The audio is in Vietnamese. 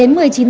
trong năm cháy